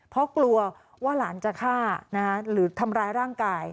เพราะกลัวว่าหลานจะฆ่าหรือทำร้ายร่างกาย